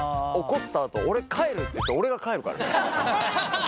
怒ったあと俺帰るって言って俺が帰るからね。